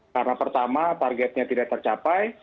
karena pertama targetnya tidak tercapai